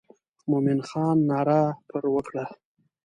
مومن خان ناره پر وکړه.